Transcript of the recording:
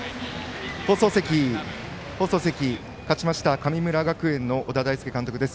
放送席、放送席勝ちました、神村学園の小田大介監督です。